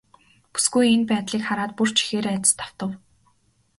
Бүсгүй энэ байдлыг хараад бүр ч ихээр айдаст автав.